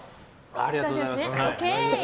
ありがとうございます。